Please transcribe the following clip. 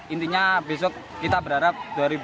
intinya besok kita berharap dua ribu dua puluh